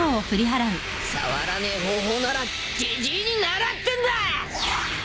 触らねえ方法ならジジイに習ってんだ！